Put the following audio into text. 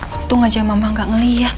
untung aja mama gak ngeliat